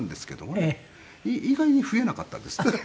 意外に増えなかったです。